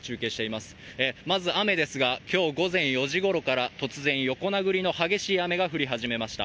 まず雨ですが、今日午前４時ごろから突然、横殴りの激しい雨が降り始めました。